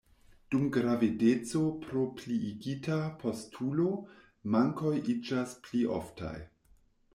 Dum gravedeco, pro pliigita postulo, mankoj iĝas pli oftaj.